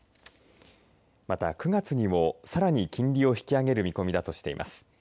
また、９月にもさらに金利を引き上げる見込みだとしています。